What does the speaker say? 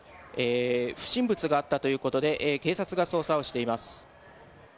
不審物があったということで警察が捜査をしています。